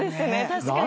確かに。